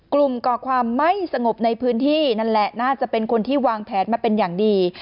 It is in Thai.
ก่อความไม่สงบในพื้นที่นั่นแหละน่าจะเป็นคนที่วางแผนมาเป็นอย่างดี